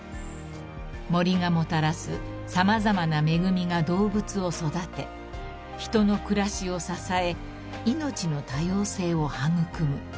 ［森がもたらす様々な恵みが動物を育て人の暮らしを支え命の多様性を育む］